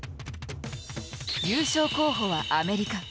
優勝候補はアメリカ。